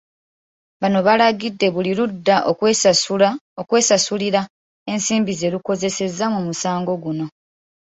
Bano balagidde buli ludda okwesasulira ensimbi ze lukozesezza mu musango guno.